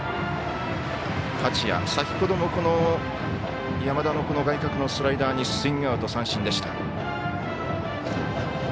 八谷、先ほども山田の外角のスライダーにスイングアウト三振でした。